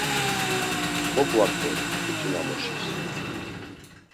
Kogvaǩoru mtutinamuşis.